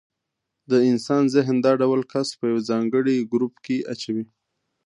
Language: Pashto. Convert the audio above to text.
د انسان ذهن دا ډول کس په یو ځانګړي ګروپ کې اچوي.